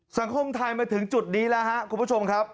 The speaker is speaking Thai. สังคมไทยมาถึงจุดนี้แล้วครับคุณผู้ชมครับ